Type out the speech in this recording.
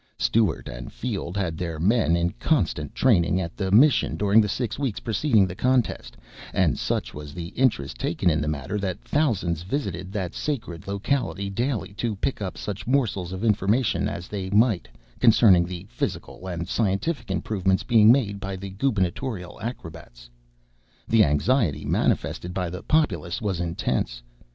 Stewart and Field had their men in constant training at the Mission during the six weeks preceding the contest, and such was the interest taken in the matter that thousands visited that sacred locality daily to pick up such morsels of information as they might, concerning the physical and scientific improvement being made by the gubernatorial acrobats. The anxiety manifested by the populace was intense.